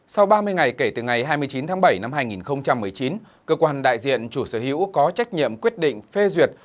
sau ba mươi ngày kể từ ngày hai mươi chín tháng bảy năm hai nghìn một mươi chín cơ quan đại diện chủ sở hữu có trách nhiệm quyết định phê duyệt